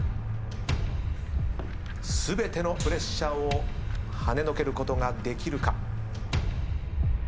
全てのプレッシャーをはねのけることができるか。